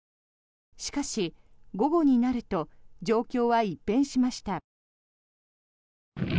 しかし、午後になると状況は一変しました。